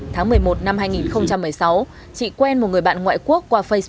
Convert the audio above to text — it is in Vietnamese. tháng một mươi một năm hai nghìn một mươi sáu chị quen một người bạn ngoại quốc